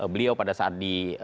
beliau pada saat di